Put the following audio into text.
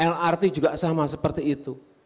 lrt juga sama seperti itu